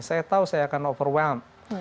saya tahu saya akan overwealth